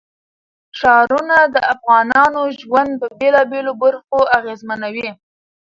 ښارونه د افغانانو ژوند په بېلابېلو برخو اغېزمنوي.